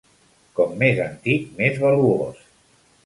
Com més antic, més valuós.